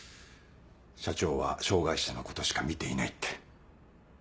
「社長は障がい者のことしか見ていない」って。